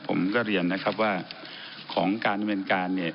ผมก็เรียนนะครับว่าของการดำเนินการเนี่ย